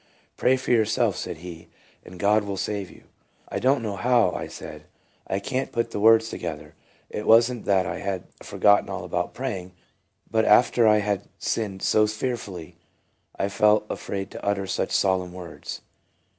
"Pray for yourself," said he, u and God will save you." " I do n't know how," I said; " I can't put the words together." It was n't that I had forgotten all about praying; but after I had sinned so fearfully, I felt afraid to utter such solemn words.